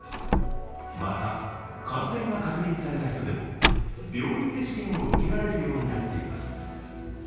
また、感染が確認された人でも病院で試験を受けられるようになっています。